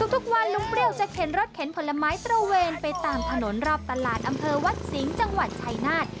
ทุกวันลุงเปรี้ยวจะเข็นรถเข็นผลไม้ตระเวนไปตามถนนรอบตลาดอำเภอวัดสิงห์จังหวัดชายนาฏ